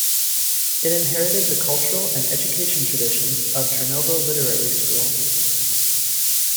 It inherited the cultural and education traditions of Turnovo Literary School.